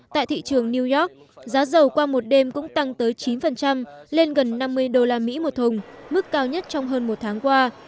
tại thị trường new york giá dầu qua một đêm cũng tăng tới chín lên gần năm mươi usd một thùng mức cao nhất trong hơn một tháng qua